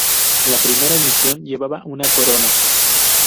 La primera emisión llevaba una corona.